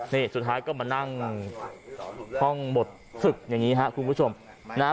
นี่สุดท้ายก็มานั่งห้องหมดศึกอย่างนี้ครับคุณผู้ชมนะฮะ